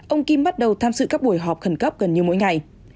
ông kim bắt đầu tham dự các buổi họp khẩn cấp gần như mỗi ngày